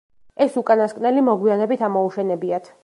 ეს უკანასკნელი მოგვიანებით ამოუშენებიათ.